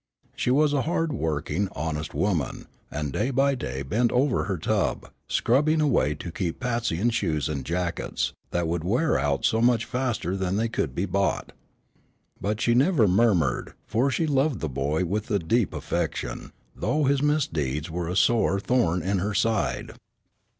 She was a hard working, honest woman, and day by day bent over her tub, scrubbing away to keep Patsy in shoes and jackets, that would wear out so much faster than they could be bought. But she never murmured, for she loved the boy with a deep affection, though his misdeeds were a sore thorn in her side.